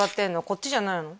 こっちじゃないの？